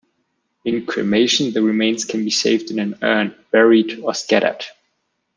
In cremation, the remains can be saved in an urn, buried, or scattered.